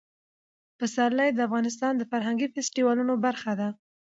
پسرلی د افغانستان د فرهنګي فستیوالونو برخه ده.